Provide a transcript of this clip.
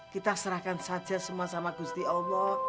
kita serahkan saja semua sama gusti allah